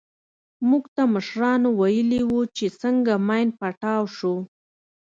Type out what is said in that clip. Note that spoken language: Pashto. موږ ته مشرانو ويلي وو چې څنگه ماين پټاو سو.